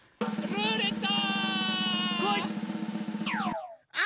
ルーレット！